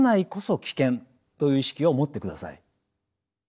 という意識を持ってください。